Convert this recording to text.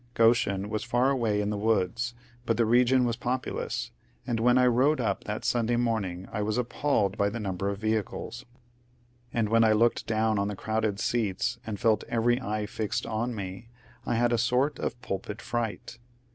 Goshen was far away in the woods ; but the region was populous, and when I rode up that Sunday morning I was appalled by the number of vehicles. And when I looked down on the crowded seats, and felt every eye fixed on me, I had a sort of pulpit fright.